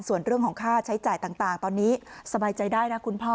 ส่วนเรื่องของค่าใช้จ่ายต่างตอนนี้สบายใจได้นะคุณพ่อ